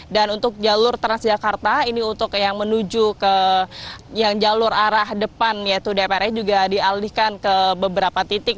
dan untuk jalur transjakarta ini untuk yang menuju ke yang jalur arah depan yaitu dpr ini juga dialihkan ke beberapa titik